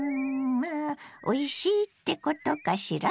まあおいしいってことかしら？